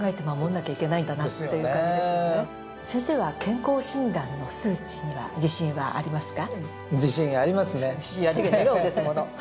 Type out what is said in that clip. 先生は健康診断の数値には自信はありますか？